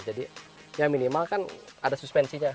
jadi yang minimal kan ada suspensinya